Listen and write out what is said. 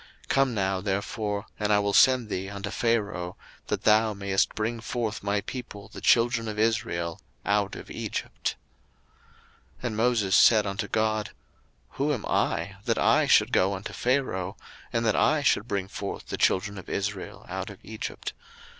02:003:010 Come now therefore, and I will send thee unto Pharaoh, that thou mayest bring forth my people the children of Israel out of Egypt. 02:003:011 And Moses said unto God, Who am I, that I should go unto Pharaoh, and that I should bring forth the children of Israel out of Egypt?